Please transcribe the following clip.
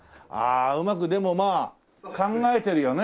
うまくでもまあ考えてるよね